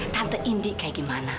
tante indi kayak gimana